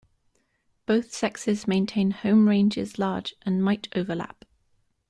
Both sexes maintain home ranges large, and might overlap.